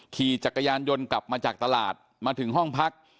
ขี่จักรยานยนต์กลับมาจากตลาดมาถึงห้องพัก